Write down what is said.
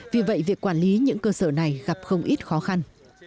vì vậy việc quản lý những cơ sở này gặp không ít khó khăn